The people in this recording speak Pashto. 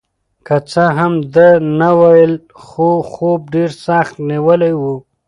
که څه هم ده نه وویل خو خوب ډېر سخت نیولی و.